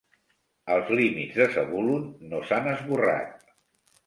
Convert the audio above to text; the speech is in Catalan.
Els límits de Zebulun no s'han esborrat.